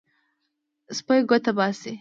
سپی ګوته باسي.